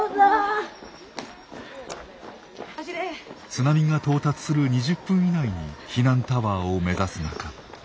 津波が到達する２０分以内に避難タワーを目指す中。